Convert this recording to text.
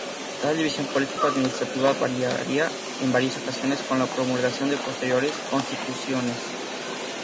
Tal división político-adminsitrativa variaría en varias ocasiones con la promulgación de posteriores Constituciones.